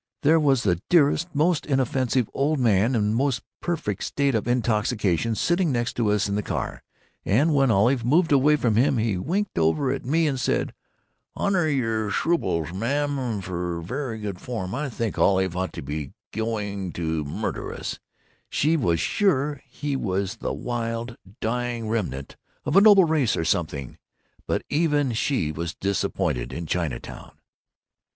There was the dearest, most inoffensive old man in the most perfect state of intoxication sitting next to us in the car, and when Olive moved away from him he winked over at me and said, 'Honor your shruples, ma'am, ver' good form.' I think Olive thought he was going to murder us—she was sure he was the wild, dying remnant of a noble race or something. But even she was disappointed in Chinatown.